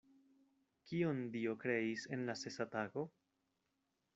Kion Dio kreis en la sesa tago?